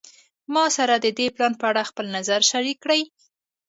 ما سره د دې پلان په اړه خپل نظر شریک کړی